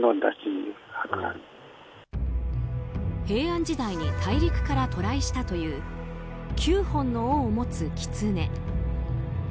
平安時代に大陸から渡来したという９本の尾を持つキツネ。